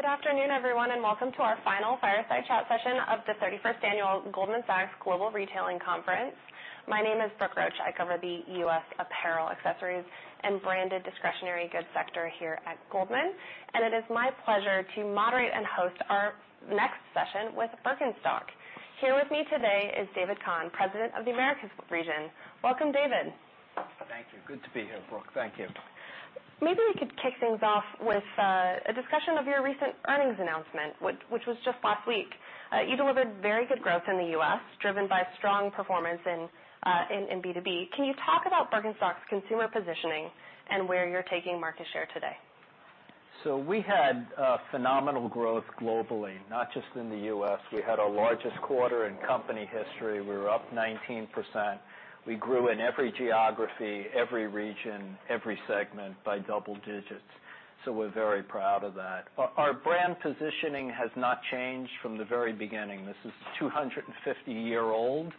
Good afternoon, everyone, and welcome to our final fireside chat session of the 31st Annual Goldman Sachs Global Retailing Conference. My name is Brooke Roach. I cover the U.S. apparel, accessories, and branded discretionary goods sector here at Goldman. And it is my pleasure to moderate and host our next session with Birkenstock. Here with me today is David Kahan, President of the Americas Region. Welcome, David. Thank you. Good to be here, Brooke. Thank you. Maybe we could kick things off with a discussion of your recent earnings announcement, which was just last week. You delivered very good growth in the U.S., driven by strong performance in B2B. Can you talk about Birkenstock's consumer positioning and where you're taking market share today? So we had phenomenal growth globally, not just in the U.S. We had our largest quarter in company history. We were up 19%. We grew in every geography, every region, every segment by double digits. So we're very proud of that. Our brand positioning has not changed from the very beginning. This is a 250-year-old,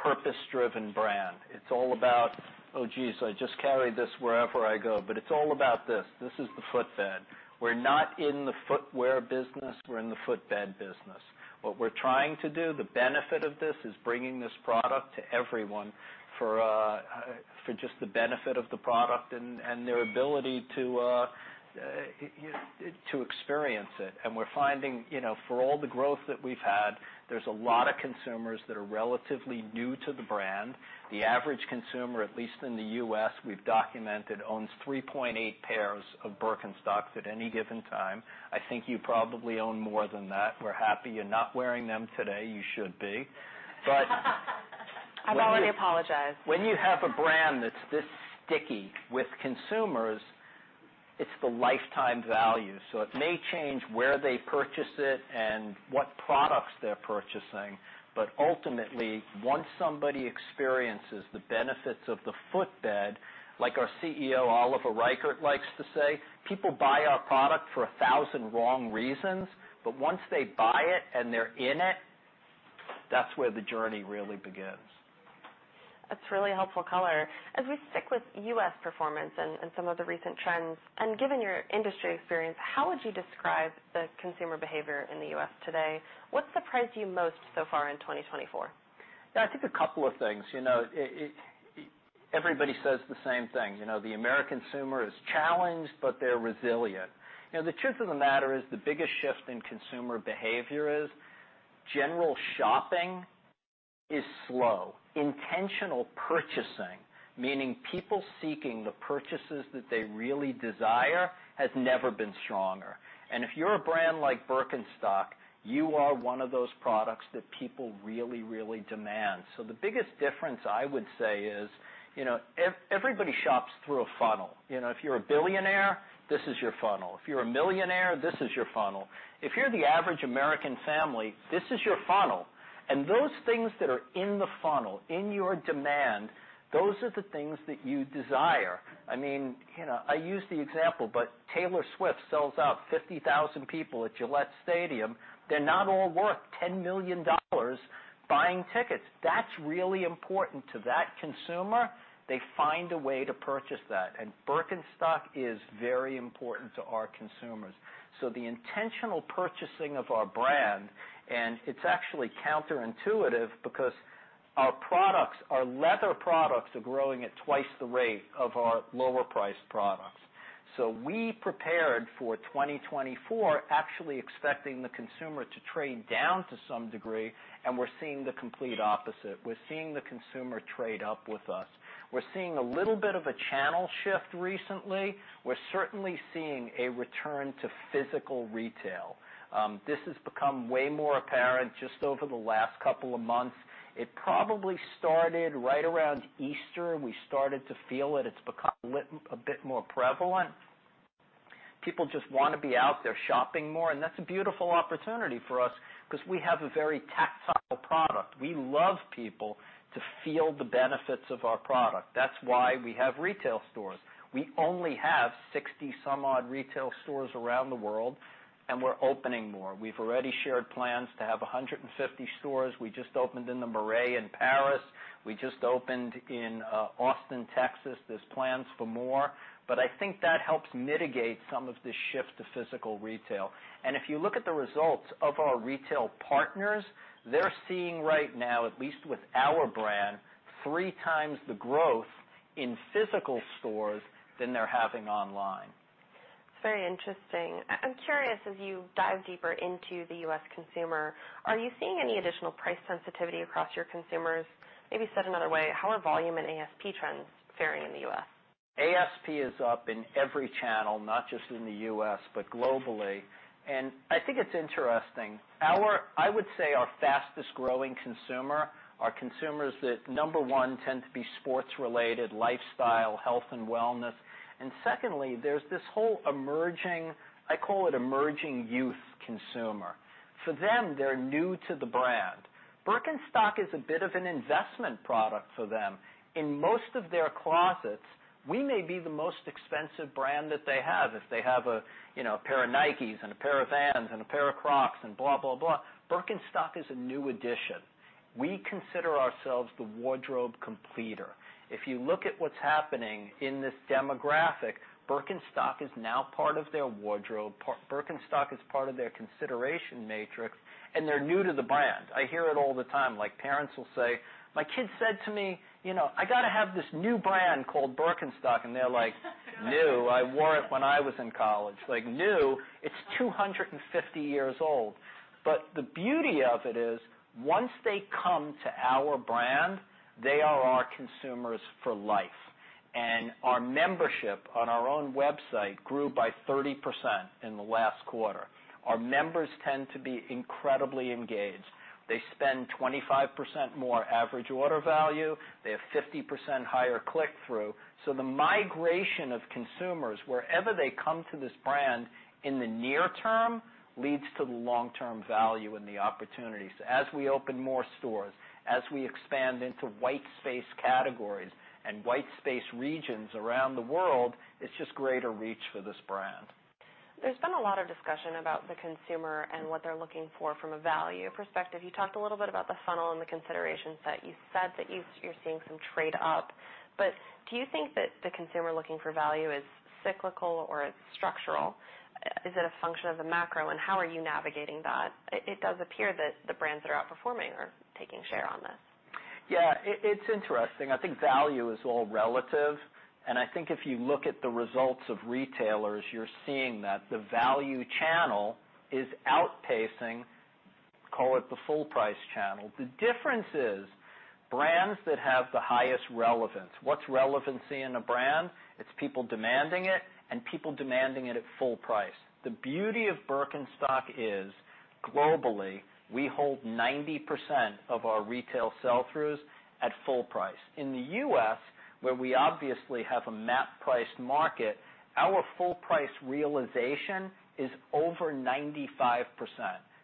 purpose-driven brand. It's all about, "Oh, geez, I just carry this wherever I go." But it's all about this. This is the footbed. We're not in the footwear business. We're in the footbed business. What we're trying to do, the benefit of this, is bringing this product to everyone for just the benefit of the product and their ability to experience it. And we're finding, for all the growth that we've had, there's a lot of consumers that are relatively new to the brand. The average consumer, at least in the U.S., we've documented, owns 3.8 pairs of Birkenstocks at any given time. I think you probably own more than that. We're happy you're not wearing them today. You should be. I'm sorry. I apologize. When you have a brand that's this sticky with consumers, it's the lifetime value. So it may change where they purchase it and what products they're purchasing. But ultimately, once somebody experiences the benefits of the footbed, like our CEO, Oliver Reichert, likes to say, people buy our product for a thousand wrong reasons. But once they buy it and they're in it, that's where the journey really begins. That's really helpful color. As we stick with U.S. performance and some of the recent trends, and given your industry experience, how would you describe the consumer behavior in the U.S. today? What surprised you most so far in 2024? I think a couple of things. Everybody says the same thing. The American consumer is challenged, but they're resilient. The truth of the matter is the biggest shift in consumer behavior is general shopping is slow. Intentional purchasing, meaning people seeking the purchases that they really desire, has never been stronger. And if you're a brand like Birkenstock, you are one of those products that people really, really demand. So the biggest difference, I would say, is everybody shops through a funnel. If you're a billionaire, this is your funnel. If you're a millionaire, this is your funnel. If you're the average American family, this is your funnel. And those things that are in the funnel, in your demand, those are the things that you desire. I mean, I use the example, but Taylor Swift sells out 50,000 people at Gillette Stadium. They're not all worth $10 million buying tickets. That's really important to that consumer. They find a way to purchase that, and Birkenstock is very important to our consumers, so the intentional purchasing of our brand, and it's actually counterintuitive because our products, our leather products, are growing at twice the rate of our lower-priced products, so we prepared for 2024, actually expecting the consumer to trade down to some degree, and we're seeing the complete opposite. We're seeing the consumer trade up with us. We're seeing a little bit of a channel shift recently. We're certainly seeing a return to physical retail. This has become way more apparent just over the last couple of months. It probably started right around Easter. We started to feel it. It's become a bit more prevalent. People just want to be out there shopping more, and that's a beautiful opportunity for us because we have a very tactile product. We love people to feel the benefits of our product. That's why we have retail stores. We only have 60-some-odd retail stores around the world, and we're opening more. We've already shared plans to have 150 stores. We just opened in the Marais in Paris. We just opened in Austin, Texas. There's plans for more, but I think that helps mitigate some of this shift to physical retail, and if you look at the results of our retail partners, they're seeing right now, at least with our brand, three times the growth in physical stores than they're having online. Very interesting. I'm curious, as you dive deeper into the U.S. consumer, are you seeing any additional price sensitivity across your consumers? Maybe said another way, how are volume and ASP trends faring in the U.S.? ASP is up in every channel, not just in the U.S., but globally. And I think it's interesting. I would say our fastest-growing consumer, our consumers that, number one, tend to be sports-related, lifestyle, health, and wellness. And secondly, there's this whole emerging, I call it emerging youth consumer. For them, they're new to the brand. Birkenstock is a bit of an investment product for them. In most of their closets, we may be the most expensive brand that they have. If they have a pair of Nikes and a pair of Vans and a pair of Crocs and blah, blah, blah, Birkenstock is a new addition. We consider ourselves the wardrobe completer. If you look at what's happening in this demographic, Birkenstock is now part of their wardrobe. Birkenstock is part of their consideration matrix, and they're new to the brand. I hear it all the time. Parents will say, "My kid said to me, 'I got to have this new brand called Birkenstock.'" And they're like, "New? I wore it when I was in college." New? It's 250 years old. But the beauty of it is, once they come to our brand, they are our consumers for life. And our membership on our own website grew by 30% in the last quarter. Our members tend to be incredibly engaged. They spend 25% more average order value. They have 50% higher click-through. So the migration of consumers, wherever they come to this brand in the near term, leads to the long-term value and the opportunities. As we open more stores, as we expand into white space categories and white space regions around the world, it's just greater reach for this brand. There's been a lot of discussion about the consumer and what they're looking for from a value perspective. You talked a little bit about the funnel and the consideration set. You said that you're seeing some trade-up. But do you think that the consumer looking for value is cyclical or it's structural? Is it a function of the macro? And how are you navigating that? It does appear that the brands that are outperforming are taking share on this. Yeah. It's interesting. I think value is all relative. And I think if you look at the results of retailers, you're seeing that the value channel is outpacing, call it the full-price channel. The difference is brands that have the highest relevance. What's relevancy in a brand? It's people demanding it and people demanding it at full price. The beauty of Birkenstock is, globally, we hold 90% of our retail sell-throughs at full price. In the U.S., where we obviously have a MAP-priced market, our full-price realization is over 95%.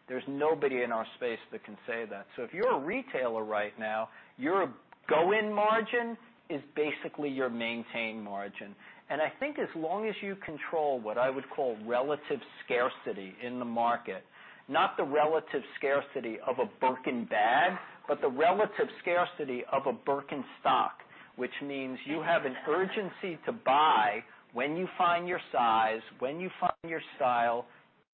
There's nobody in our space that can say that. So if you're a retailer right now, your go-in margin is basically your maintain margin. And I think as long as you control what I would call relative scarcity in the market, not the relative scarcity of a Birkin bag, but the relative scarcity of a Birkenstock, which means you have an urgency to buy when you find your size, when you find your style,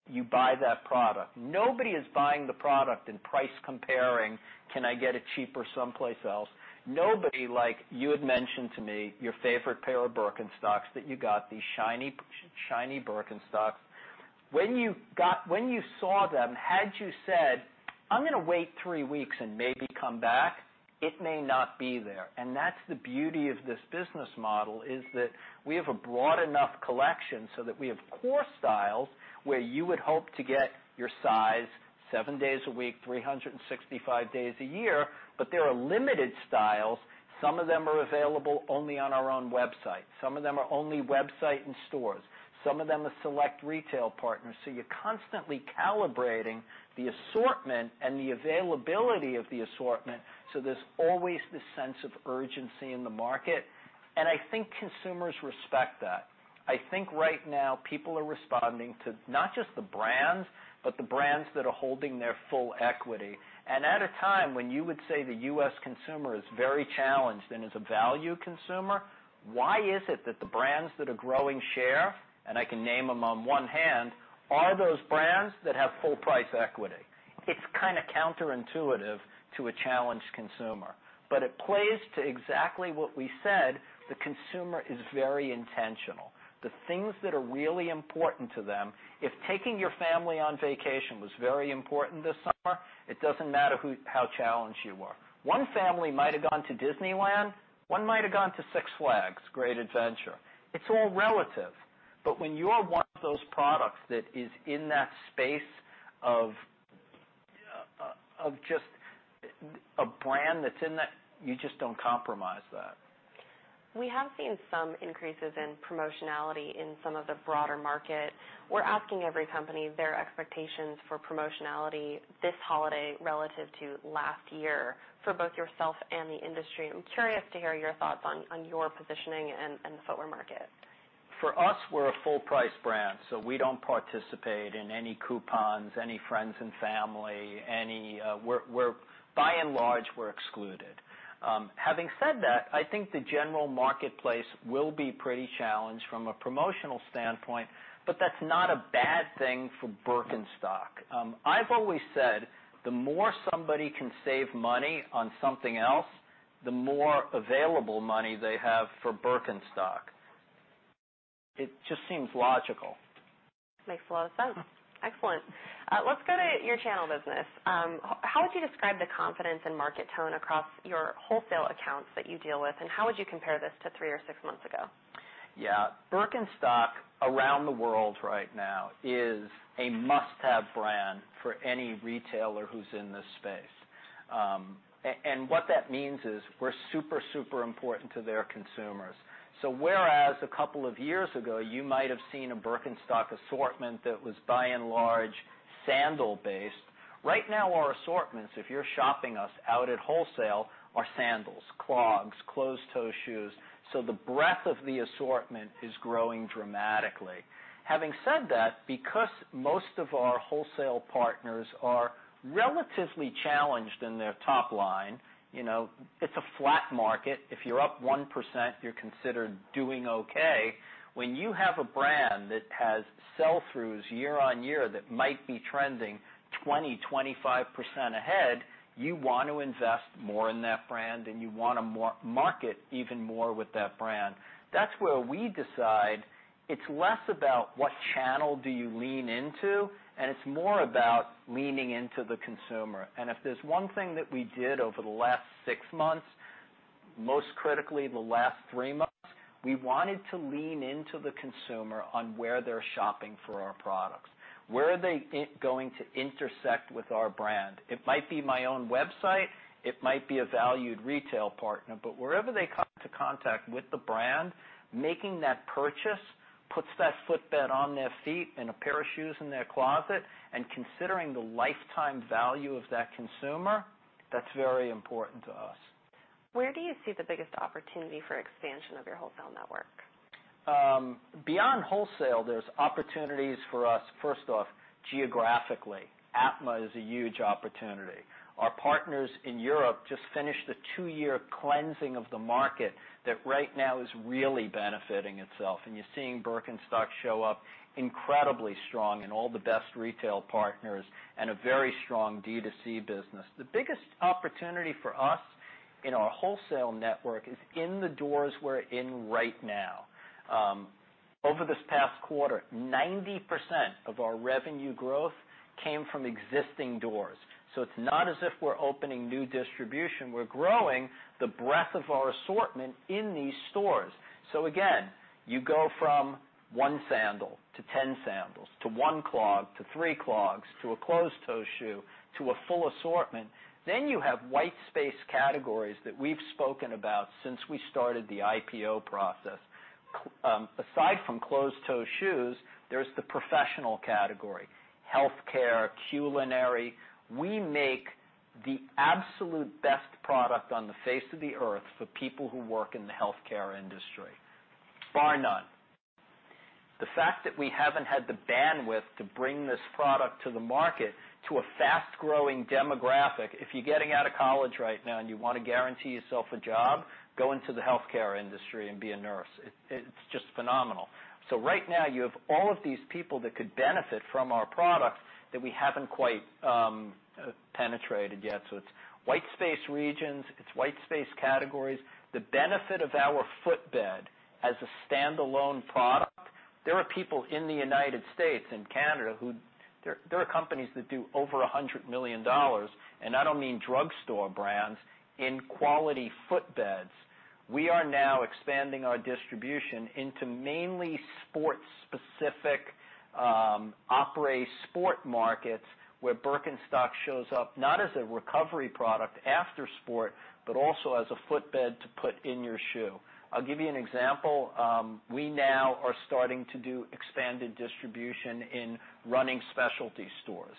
you buy that product. Nobody is buying the product and price comparing, "Can I get it cheaper someplace else?" Nobody, like you had mentioned to me, your favorite pair of Birkenstocks that you got, these shiny Birkenstocks. When you saw them, had you said, "I'm going to wait three weeks and maybe come back," it may not be there. And that's the beauty of this business model, is that we have a broad enough collection so that we have core styles where you would hope to get your size seven days a week, 365 days a year, but there are limited styles. Some of them are available only on our own website. Some of them are only website and stores. Some of them are select retail partners. So you're constantly calibrating the assortment and the availability of the assortment. So there's always this sense of urgency in the market. And I think consumers respect that. I think right now people are responding to not just the brands, but the brands that are holding their full equity. And at a time when you would say the U.S. Consumer is very challenged and is a value consumer. Why is it that the brands that are growing share, and I can name them on one hand, are those brands that have full-price equity? It's kind of counterintuitive to a challenged consumer. But it plays to exactly what we said. The consumer is very intentional. The things that are really important to them, if taking your family on vacation was very important this summer, it doesn't matter how challenged you were. One family might have gone to Disneyland. One might have gone to Six Flags Great Adventure. It's all relative. But when you're one of those products that is in that space of just a brand that's in that, you just don't compromise that. We have seen some increases in promotionality in some of the broader market. We're asking every company their expectations for promotionality this holiday relative to last year for both yourself and the industry. I'm curious to hear your thoughts on your positioning and the footwear market. For us, we're a full-price brand, so we don't participate in any coupons, any friends and family. By and large, we're excluded. Having said that, I think the general marketplace will be pretty challenged from a promotional standpoint, but that's not a bad thing for Birkenstock. I've always said, "The more somebody can save money on something else, the more available money they have for Birkenstock." It just seems logical. Makes a lot of sense. Excellent. Let's go to your channel business. How would you describe the confidence and market tone across your wholesale accounts that you deal with, and how would you compare this to three or six months ago? Yeah. Birkenstock around the world right now is a must-have brand for any retailer who's in this space. And what that means is we're super, super important to their consumers. So whereas a couple of years ago, you might have seen a Birkenstock assortment that was by and large sandal-based, right now our assortments, if you're shopping us out at wholesale, are sandals, clogs, closed-toe shoes. So the breadth of the assortment is growing dramatically. Having said that, because most of our wholesale partners are relatively challenged in their top line, it's a flat market. If you're up 1%, you're considered doing okay. When you have a brand that has sell-throughs year on year that might be trending 20%-25% ahead, you want to invest more in that brand, and you want to market even more with that brand. That's where we decide it's less about what channel do you lean into, and it's more about leaning into the consumer. And if there's one thing that we did over the last six months, most critically the last three months, we wanted to lean into the consumer on where they're shopping for our products, where are they going to intersect with our brand. It might be my own website. It might be a valued retail partner. But wherever they come into contact with the brand, making that purchase puts that footbed on their feet and a pair of shoes in their closet. And considering the lifetime value of that consumer, that's very important to us. Where do you see the biggest opportunity for expansion of your wholesale network? Beyond wholesale, there's opportunities for us, first off, geographically. APMA is a huge opportunity. Our partners in Europe just finished a two-year cleansing of the market that right now is really benefiting itself, and you're seeing Birkenstock show up incredibly strong in all the best retail partners and a very strong D2C business. The biggest opportunity for us in our wholesale network is in the doors we're in right now. Over this past quarter, 90% of our revenue growth came from existing doors, so it's not as if we're opening new distribution. We're growing the breadth of our assortment in these stores, so again, you go from one sandal to 10 sandals to one clog to three clogs to a closed-toe shoe to a full assortment. Then you have white space categories that we've spoken about since we started the IPO process. Aside from closed-toe shoes, there's the professional category: healthcare, culinary. We make the absolute best product on the face of the earth for people who work in the healthcare industry, bar none. The fact that we haven't had the bandwidth to bring this product to the market to a fast-growing demographic. If you're getting out of college right now and you want to guarantee yourself a job, go into the healthcare industry and be a nurse. It's just phenomenal. So right now, you have all of these people that could benefit from our products that we haven't quite penetrated yet. So it's white space regions. It's white space categories. The benefit of our footbed as a standalone product. There are people in the United States and Canada. There are companies that do over $100 million, and I don't mean drugstore brands, in quality footbeds. We are now expanding our distribution into mainly sports-specific, après-sport sport markets where Birkenstock shows up not as a recovery product after sport, but also as a footbed to put in your shoe. I'll give you an example. We now are starting to do expanded distribution in running specialty stores.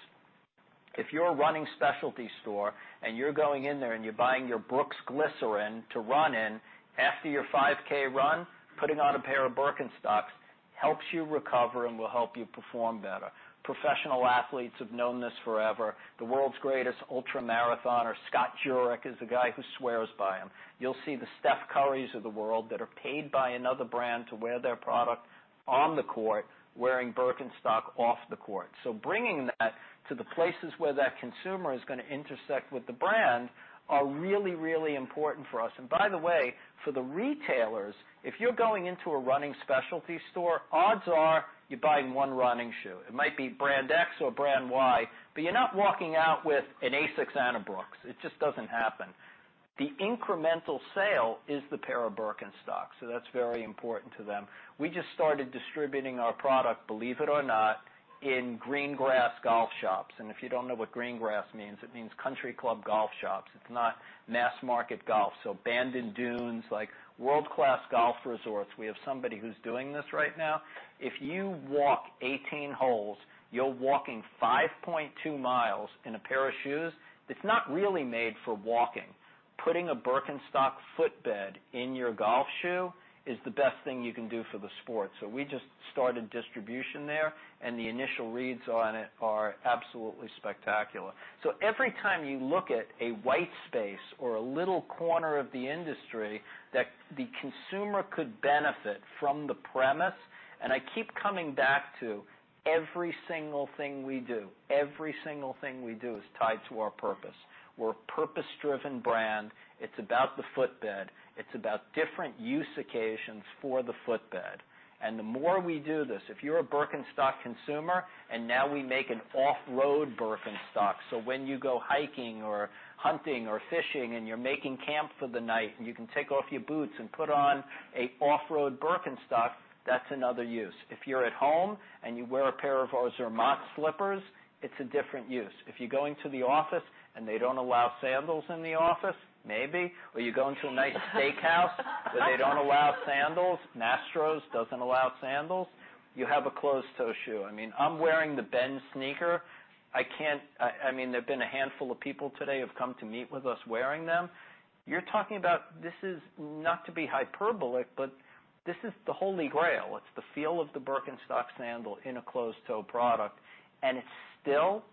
If you're a running specialty store and you're going in there and you're buying your Brooks Glycerin to run in after your 5K run, putting on a pair of Birkenstocks helps you recover and will help you perform better. Professional athletes have known this forever. The world's greatest ultramarathoner, Scott Jurek, is a guy who swears by him. You'll see the Steph Currys of the world that are paid by another brand to wear their product on the court, wearing Birkenstock off the court. So bringing that to the places where that consumer is going to intersect with the brand are really, really important for us, and by the way, for the retailers, if you're going into a running specialty store, odds are you're buying one running shoe. It might be brand X or brand Y, but you're not walking out with an ASICS and a Brooks. It just doesn't happen. The incremental sale is the pair of Birkenstocks. So that's very important to them. We just started distributing our product, believe it or not, in green grass golf shops, and if you don't know what green grass means, it means country club golf shops. It's not mass market golf, so Bandon Dunes, like world-class golf resorts, we have somebody who's doing this right now. If you walk 18 holes, you're walking 5.2 mi in a pair of shoes that's not really made for walking. Putting a Birkenstock footbed in your golf shoe is the best thing you can do for the sport. So we just started distribution there, and the initial reads on it are absolutely spectacular, so every time you look at a white space or a little corner of the industry that the consumer could benefit from the premise, and I keep coming back to every single thing we do, every single thing we do is tied to our purpose. We're a purpose-driven brand. It's about the footbed. It's about different use occasions for the footbed, and the more we do this, if you're a Birkenstock consumer, and now we make an off-road Birkenstock, so when you go hiking or hunting or fishing and you're making camp for the night and you can take off your boots and put on an off-road Birkenstock, that's another use. If you're at home and you wear a pair of our Zermatt slippers, it's a different use. If you're going to the office and they don't allow sandals in the office, maybe, or you're going to a nice steakhouse where they don't allow sandals, Mastro's doesn't allow sandals. You have a closed-toe shoe. I mean, I'm wearing the Bend sneaker. I mean, there've been a handful of people today who have come to meet with us wearing them. You're talking about this. This is not to be hyperbolic, but this is the Holy Grail. It's the feel of the Birkenstock sandal in a closed-toe product, and it's still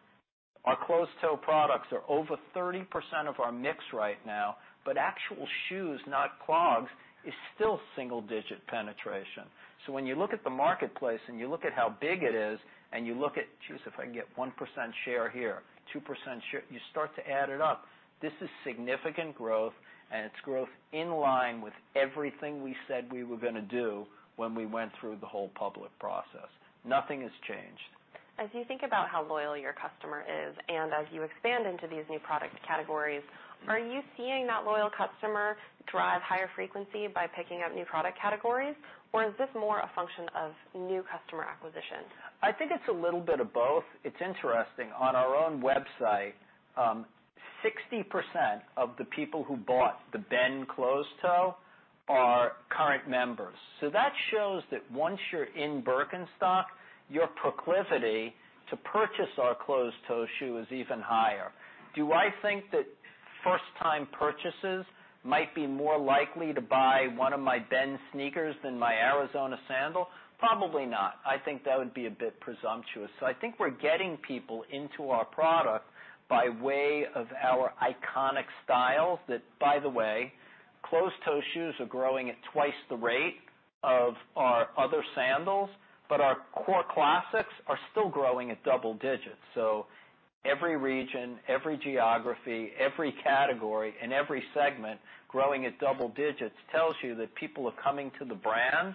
our closed-toe products are over 30% of our mix right now, but actual shoes, not clogs, is still single-digit penetration. So when you look at the marketplace and you look at how big it is and you look at, "Jeez, if I can get 1% share here, 2% share," you start to add it up. This is significant growth, and it's growth in line with everything we said we were going to do when we went through the whole public process. Nothing has changed. As you think about how loyal your customer is and as you expand into these new product categories, are you seeing that loyal customer drive higher frequency by picking up new product categories, or is this more a function of new customer acquisition? I think it's a little bit of both. It's interesting. On our own website, 60% of the people who bought the Bend closed-toe are current members. So that shows that once you're in Birkenstock, your proclivity to purchase our closed-toe shoe is even higher. Do I think that first-time purchases might be more likely to buy one of my Bend sneakers than my Arizona sandal? Probably not. I think that would be a bit presumptuous. So I think we're getting people into our product by way of our iconic styles that, by the way, closed-toe shoes are growing at twice the rate of our other sandals, but our core classics are still growing at double digits. So every region, every geography, every category, and every segment growing at double digits tells you that people are coming to the brand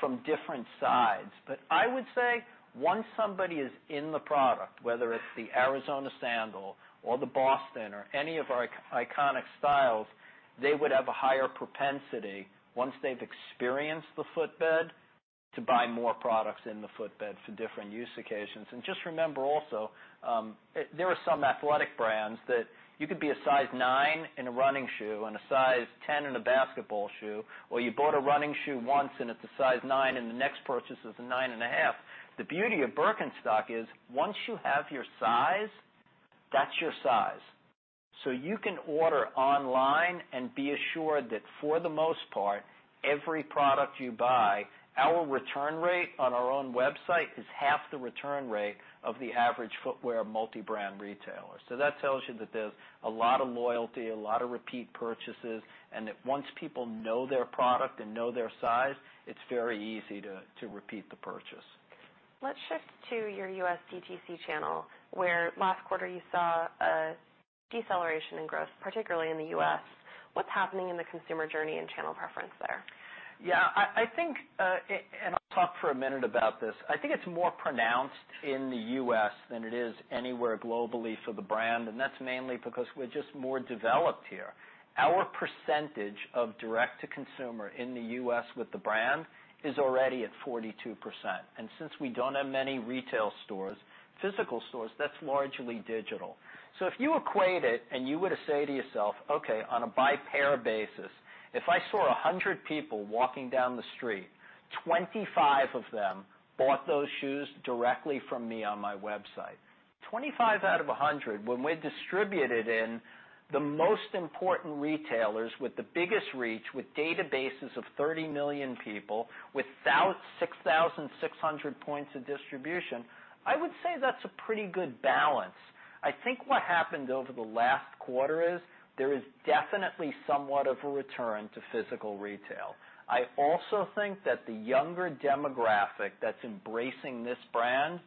from different sides. But I would say once somebody is in the product, whether it's the Arizona sandal or the Boston or any of our iconic styles, they would have a higher propensity once they've experienced the footbed to buy more products in the footbed for different use occasions. And just remember also, there are some athletic brands that you could be a size nine in a running shoe and a size 10 in a basketball shoe, or you bought a running shoe once and it's a size nine, and the next purchase is a nine and a half. The beauty of Birkenstock is once you have your size, that's your size. So you can order online and be assured that for the most part, every product you buy, our return rate on our own website is half the return rate of the average footwear multi-brand retailer. So that tells you that there's a lot of loyalty, a lot of repeat purchases, and that once people know their product and know their size, it's very easy to repeat the purchase. Let's shift to your U.S. DTC channel where last quarter you saw a deceleration in growth, particularly in the U.S. What's happening in the consumer journey and channel preference there? Yeah. And I'll talk for a minute about this. I think it's more pronounced in the U.S. than it is anywhere globally for the brand, and that's mainly because we're just more developed here. Our percentage of direct-to-consumer in the U.S. with the brand is already at 42%. And since we don't have many retail stores, physical stores, that's largely digital. So if you equate it and you were to say to yourself, "Okay, on a B2B basis, if I saw 100 people walking down the street, 25 of them bought those shoes directly from me on my website." 25 out of 100, when we're distributed in the most important retailers with the biggest reach, with databases of 30 million people, with 6,600 points of distribution, I would say that's a pretty good balance. I think what happened over the last quarter is there is definitely somewhat of a return to physical retail. I also think that the younger demographic that's embracing this brand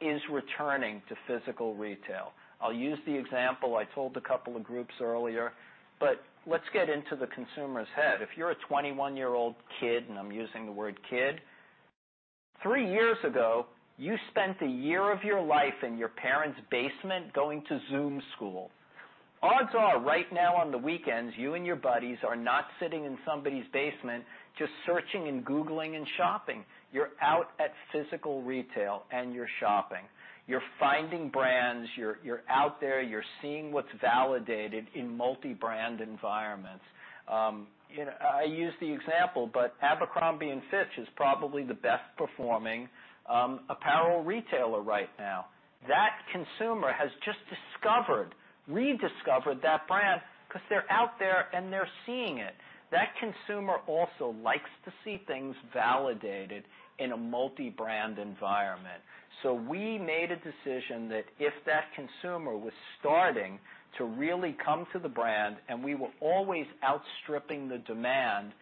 is returning to physical retail. I'll use the example I told a couple of groups earlier, but let's get into the consumer's head. If you're a 21-year-old kid, and I'm using the word kid, three years ago, you spent a year of your life in your parents' basement going to Zoom school. Odds are right now on the weekends, you and your buddies are not sitting in somebody's basement just searching and Googling and shopping. You're out at physical retail and you're shopping. You're finding brands. You're out there. You're seeing what's validated in multi-brand environments. I use the example, but Abercrombie & Fitch is probably the best-performing apparel retailer right now. That consumer has just discovered, rediscovered that brand because they're out there and they're seeing it. That consumer also likes to see things validated in a multi-brand environment. So we made a decision that if that consumer was starting to really come to the brand and we were always outstripping the demand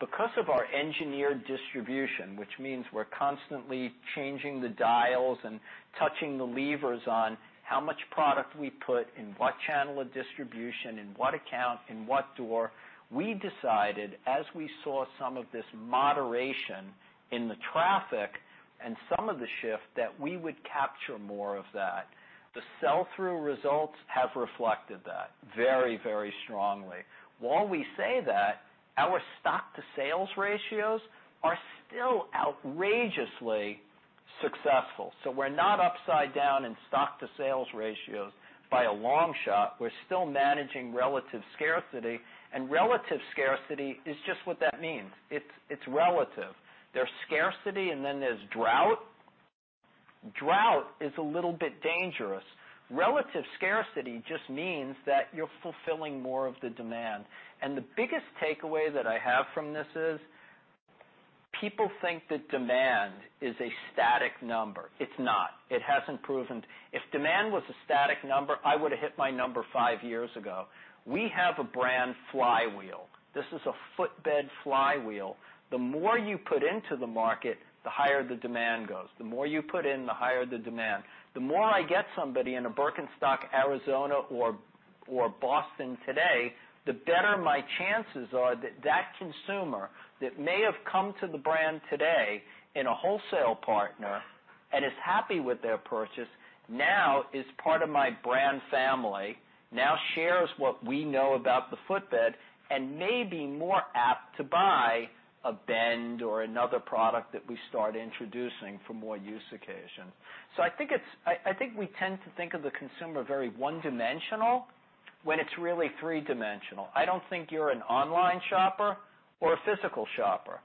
because of our engineered distribution, which means we're constantly changing the dials and touching the levers on how much product we put in what channel of distribution, in what account, in what door, we decided as we saw some of this moderation in the traffic and some of the shift that we would capture more of that. The sell-through results have reflected that very, very strongly. While we say that, our stock-to-sales ratios are still outrageously successful. So we're not upside down in stock-to-sales ratios by a long shot. We're still managing relative scarcity, and relative scarcity is just what that means. It's relative. There's scarcity and then there's drought. Drought is a little bit dangerous. Relative scarcity just means that you're fulfilling more of the demand, and the biggest takeaway that I have from this is people think that demand is a static number. It's not. It hasn't proven. If demand was a static number, I would have hit my number five years ago. We have a brand flywheel. This is a footbed flywheel. The more you put into the market, the higher the demand goes. The more you put in, the higher the demand. The more I get somebody in a Birkenstock, Arizona, or Boston today, the better my chances are that that consumer that may have come to the brand today in a wholesale partner and is happy with their purchase now is part of my brand family, now shares what we know about the footbed and may be more apt to buy a Bend or another product that we start introducing for more use occasions. So I think we tend to think of the consumer very one-dimensional when it's really three-dimensional. I don't think you're an online shopper or a physical shopper.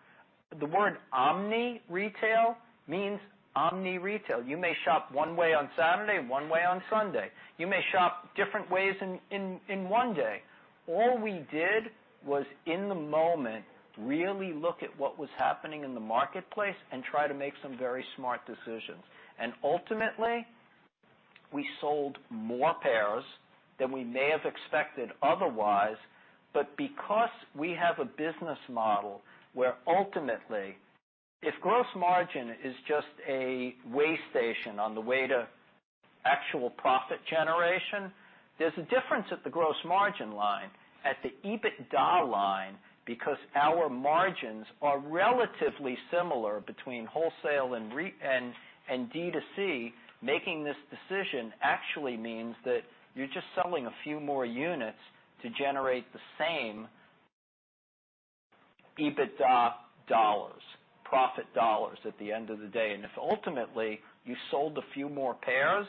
The word omni-retail means omni-retail. You may shop one way on Saturday and one way on Sunday. You may shop different ways in one day. All we did was in the moment really look at what was happening in the marketplace and try to make some very smart decisions. And ultimately, we sold more pairs than we may have expected otherwise, but because we have a business model where ultimately, if gross margin is just a way station on the way to actual profit generation, there's a difference at the gross margin line, at the EBITDA line because our margins are relatively similar between wholesale and D2C, making this decision actually means that you're just selling a few more units to generate the same EBITDA dollars, profit dollars at the end of the day. And if ultimately you sold a few more pairs,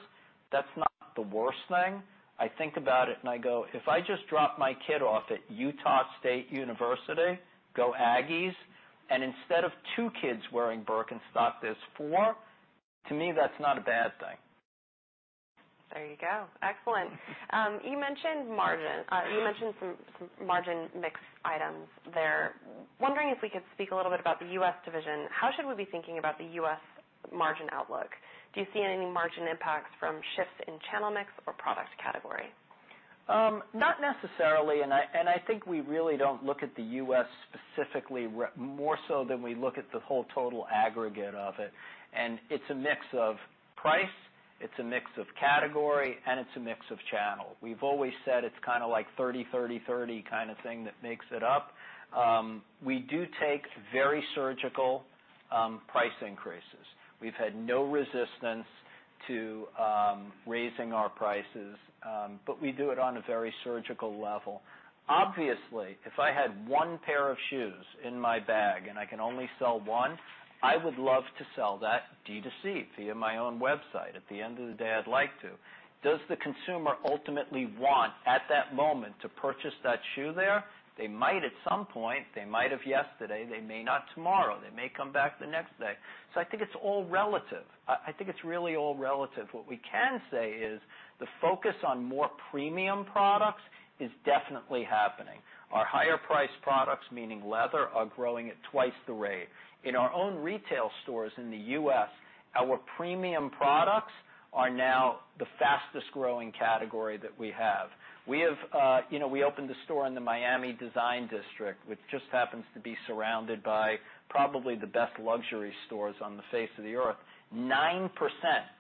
that's not the worst thing. I think about it and I go, "If I just drop my kid off at Utah State University, go Aggies, and instead of two kids wearing Birkenstock, there's four, to me, that's not a bad thing. There you go. Excellent. You mentioned margin. You mentioned some margin mix items there. Wondering if we could speak a little bit about the U.S. division. How should we be thinking about the U.S. margin outlook? Do you see any margin impacts from shifts in channel mix or product category? Not necessarily, and I think we really don't look at the U.S. specifically more so than we look at the whole total aggregate of it, and it's a mix of price, it's a mix of category, and it's a mix of channel. We've always said it's kind of like 30, 30, 30 kind of thing that makes it up. We do take very surgical price increases. We've had no resistance to raising our prices, but we do it on a very surgical level. Obviously, if I had one pair of shoes in my bag and I can only sell one, I would love to sell that D2C via my own website. At the end of the day, I'd like to. Does the consumer ultimately want at that moment to purchase that shoe there? They might at some point. They might have yesterday. They may not tomorrow. They may come back the next day. So I think it's all relative. I think it's really all relative. What we can say is the focus on more premium products is definitely happening. Our higher-priced products, meaning leather, are growing at twice the rate. In our own retail stores in the U.S., our premium products are now the fastest-growing category that we have. We opened a store in the Miami Design District, which just happens to be surrounded by probably the best luxury stores on the face of the earth. 9%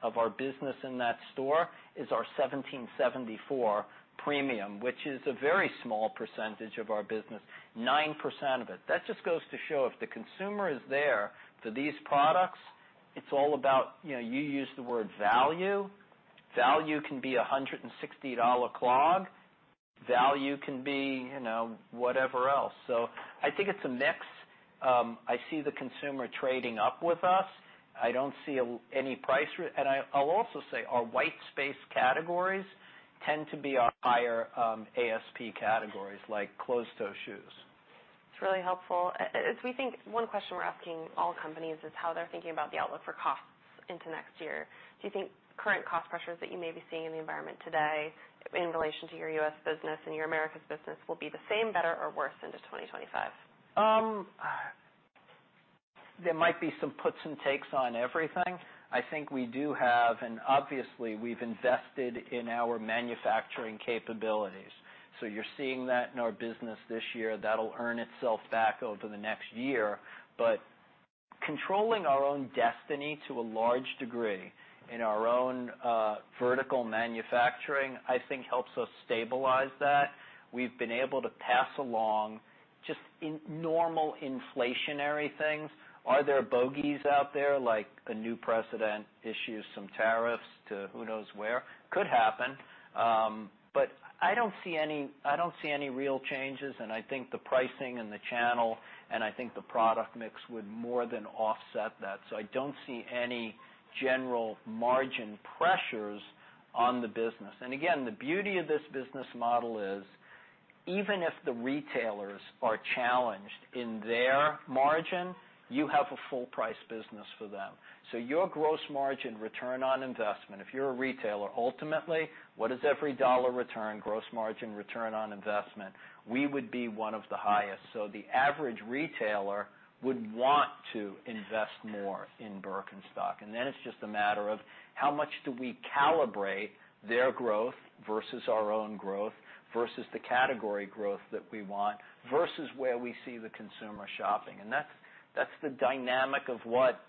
of our business in that store is our 1774 premium, which is a very small percentage of our business. 9% of it. That just goes to show if the consumer is there for these products, it's all about you use the word value. Value can be a $160 clog. Value can be whatever else. So I think it's a mix. I see the consumer trading up with us. I don't see any price risk. And I'll also say our white space categories tend to be our higher ASP categories like closed-toe shoes. It's really helpful. One question we're asking all companies is how they're thinking about the outlook for costs into next year. Do you think current cost pressures that you may be seeing in the environment today in relation to your U.S. business and your Americas business will be the same, better, or worse into 2025? There might be some puts and takes on everything. I think we do have, and obviously, we've invested in our manufacturing capabilities. So you're seeing that in our business this year. That'll earn itself back over the next year. But controlling our own destiny to a large degree in our own vertical manufacturing, I think, helps us stabilize that. We've been able to pass along just normal inflationary things. Are there bogeys out there like a new president issues some tariffs to who knows where? Could happen. But I don't see any real changes, and I think the pricing and the channel, and I think the product mix would more than offset that. So I don't see any general margin pressures on the business. And again, the beauty of this business model is even if the retailers are challenged in their margin, you have a full-price business for them. So your gross margin return on investment, if you're a retailer, ultimately, what is every dollar return gross margin return on investment? We would be one of the highest. So the average retailer would want to invest more in Birkenstock. And then it's just a matter of how much do we calibrate their growth versus our own growth versus the category growth that we want versus where we see the consumer shopping. And that's the dynamic of what,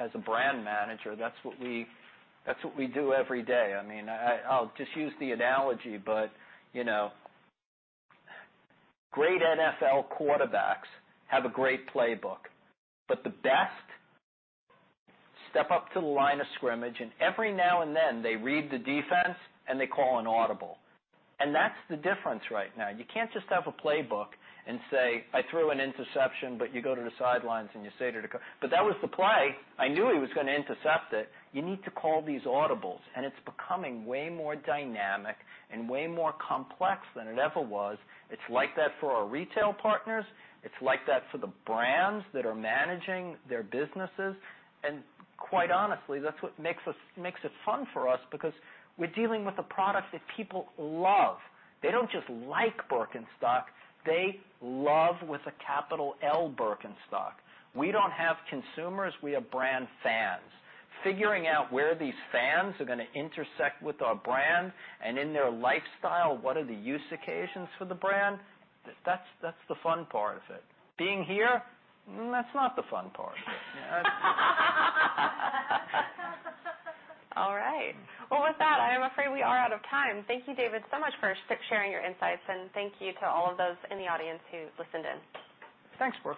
as a brand manager, that's what we do every day. I mean, I'll just use the analogy, but great NFL quarterbacks have a great playbook, but the best step up to the line of scrimmage, and every now and then they read the defense and they call an audible. And that's the difference right now. You can't just have a playbook and say, "I threw an interception," but you go to the sidelines and you say to the, "But that was the play. I knew he was going to intercept it." You need to call these audibles. And it's becoming way more dynamic and way more complex than it ever was. It's like that for our retail partners. It's like that for the brands that are managing their businesses. And quite honestly, that's what makes it fun for us because we're dealing with a product that people love. They don't just like Birkenstock. They love with a capital L Birkenstock. We don't have consumers. We have brand fans. Figuring out where these fans are going to intersect with our brand and in their lifestyle, what are the use occasions for the brand, that's the fun part of it. Being here, that's not the fun part of it. All right. Well, with that, I am afraid we are out of time. Thank you, David, so much for sharing your insights, and thank you to all of those in the audience who listened in. Thanks for.